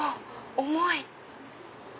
重い！